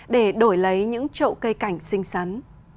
để đổi lấy những trậu cây cảnh xinh xắn